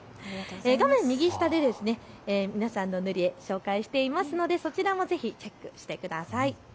画面右下で皆さんの塗り絵、紹介していますのでそちらもぜひチェックしてください。